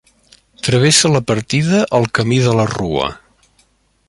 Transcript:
Travessa la partida el Camí de la Rua.